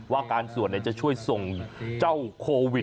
ว่าการสวดจะช่วยส่งเจ้าโควิด